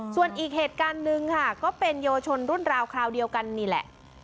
ส่วนอีกเหตุการณ์หนึ่งค่ะก็เป็นเยาวชนรุ่นราวคราวเดียวกันนี่แหละ